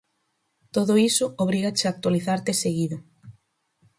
Todo iso obrígache a actualizarte seguido.